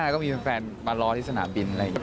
ก็มีแฟนมารอที่สนามบินอะไรอย่างนี้